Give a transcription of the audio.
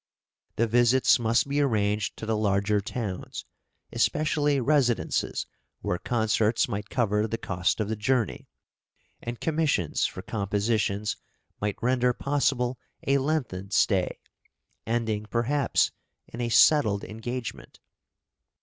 The visits must be arranged to the larger towns, especially residences, where concerts might cover the cost of the journey, and commissions for compositions might render possible a lengthened stay, ending, perhaps, in a settled engagement.